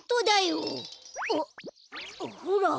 あっほら。